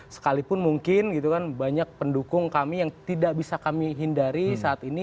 sekalipun mungkin gitu kan banyak pendukung kami yang tidak bisa kami hindari saat ini